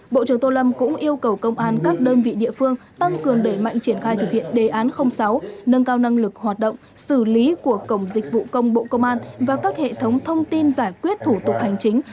bộ trưởng tô lâm cũng yêu cầu công an các đơn vị địa phương tăng cường đẩy mạnh triển khai thực hiện đề án sáu nâng cao năng lực hoạt động xử lý của cổng dịch vụ công bộ công an và các hệ thống thông tin giải quyết thủ tục hành chính